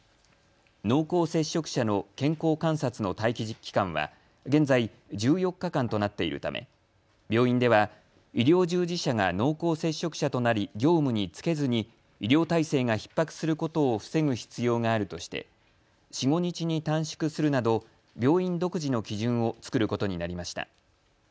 濃厚接触者の健康観察の待機期間は現在、１４日間となっているため病院では医療従事者が濃厚接触者となり業務に就けずに医療体制がひっ迫することを防ぐ必要があるとして４、５日に短縮するなど病院独自の基準を作ることになりました。